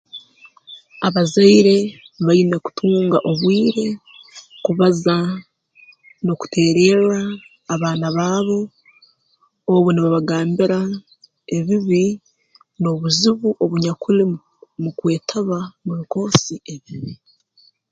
Abazaire baine kutunga obwire kubaza n'okuteererra abaana baabo obu nibabagambira ebibi n'obuzibu obunyakuli mu kwetaba mu bikoosi ebibi